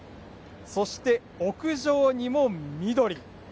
そして屋上にも緑。